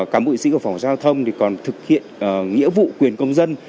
cảm bộ chiến sĩ của phòng giao thông còn thực hiện nghĩa vụ quyền công dân